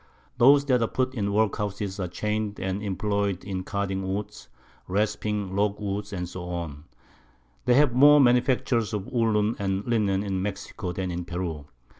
Those that are put in Workhouses are chain'd and imploy'd in carding Wool, rasping Logwood, &c. They have more Manufactures of Woollen and Linnen in Mexico than in Peru.